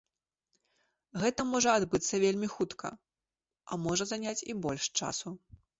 Гэта можа адбыцца вельмі хутка, а можа заняць і больш часу.